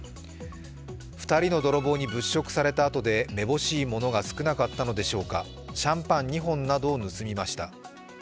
２人の泥棒に物色されたあとで目ぼしいものが少なかったのでしょうか、シャンパン２本などを盗みました。